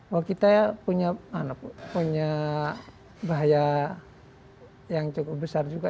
bahwa kita punya bahaya yang cukup besar juga